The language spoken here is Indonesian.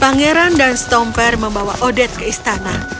pangeran dan stomper membawa odet ke istana